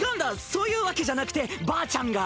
そういうわけじゃなくてばあちゃんが。